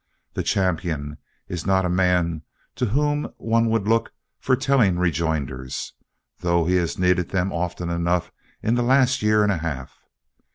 The champion is not a man to whom one would look for telling rejoinders, though he has needed them often enough in the last year and a half.